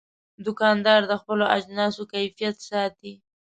دوکاندار د خپلو اجناسو کیفیت ساتي.